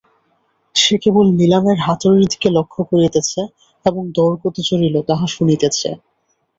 সে কেবল নিলামের হাতুড়ির দিকে লক্ষ্য করিতেছে এবং দর কত চড়িল, তাহা শুনিতেছে।